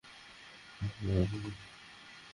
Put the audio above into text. এই গল্প কি আপনি অনেকের সঙ্গে করেছেন?